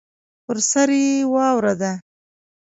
پر سر یې واوره ده.